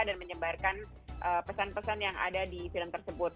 dan menyebarkan pesan pesan yang ada di film tersebut